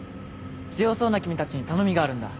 強そうな君たちに頼みがあるんだ。